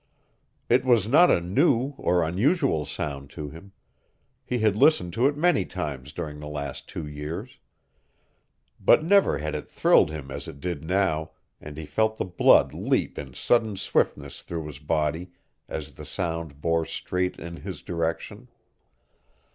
It was not a new or unusual sound to him. He had listened to it many times during the last two years. But never had it thrilled him as it did now, and he felt the blood leap in sudden swiftness through his body as the sound bore straight in his direction.